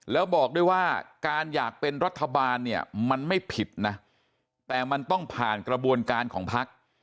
แล้วบอกด้วยว่าการอยากเป็นรัฐบาลเนี่ยมันไม่ผิดนะแต่มันต้องผ่านกระบวนการของพัก